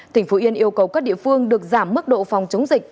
tỉnh phú yên yêu cầu các địa phương được giảm mức độ phòng chống dịch